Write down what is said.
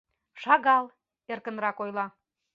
— Шагал, — эркынрак ойла.